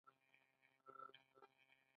د کاکتوس شیره د څه لپاره وکاروم؟